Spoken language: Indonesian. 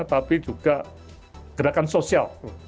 tapi juga gerakan sosial